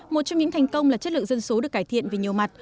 một trong những thành công là chất lượng dân số được cải thiện về nhiều mặt